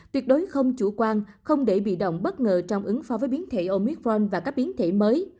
tuyệt đối không chủ quan không để bị động bất ngờ trong ứng phó với biến thể omitron và các biến thể mới